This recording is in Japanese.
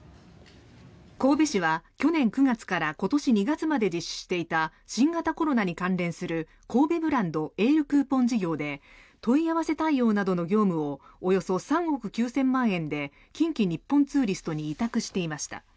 神戸市は去年９月から今年２月まで実施していた新型コロナに関連する神戸ブランド・エールクーポン事業で問い合わせ対応などの業務をおよそ３億９０００万円で近畿日本ツーリストに委託していました。